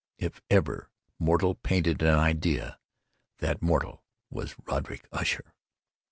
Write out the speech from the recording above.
If ever mortal painted an idea, that mortal was Roderick Usher.